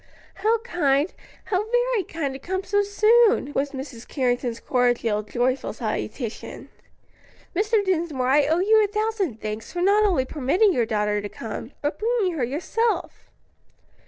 "How kind, how very kind, to come so soon!" was Mrs. Carrington's cordial, joyful salutation. "Mr. Dinsmore, I owe you a thousand thanks for not only permitting your daughter to come, but bringing her yourself."